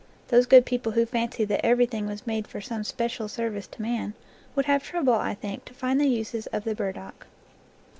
Those good people who fancy that everything was made 'for some special service to man, would have trouble, I think, to find the uses of the burdock.